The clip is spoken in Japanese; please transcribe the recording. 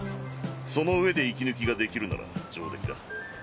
そのうえで息抜きができるなら上出来だ。